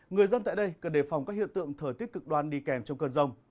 người dân tại đây cần đề phòng các hiện tượng thời tiết cực đoan đi kèm trong cơn rông